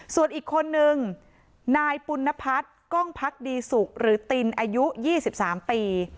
ส่วนอีกคนนึงนายปุณพัฒน์กล้องพักดีสุขหรือตินอายุ๒๓ปี